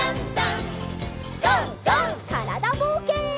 からだぼうけん。